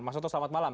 mas toto selamat malam